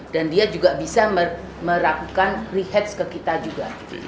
dan dia juga bisa merakukan re hedge ke kita juga